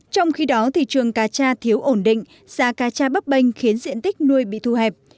trong khi đó thị trường cà cha thiếu ổn định giá cà cha bắp banh khiến diện tích nuôi bị thu hẹp